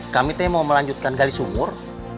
kami teh mau melanjutkan gali sumur